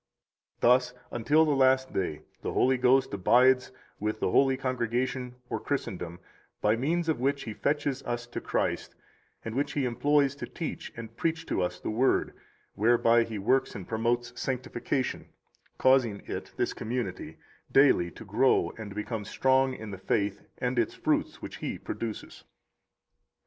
53 Thus, until the last day, the Holy Ghost abides with the holy congregation or Christendom, by means of which He fetches us to Christ and which He employs to teach and preach to us the Word, whereby He works and promotes sanctification, causing it [this community] daily to grow and become strong in the faith and its fruits which He produces.